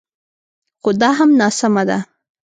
خو دا هم ناسمه ده